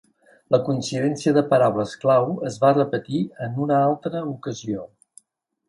La coincidència de paraules clau es va repetir en una altra ocasió.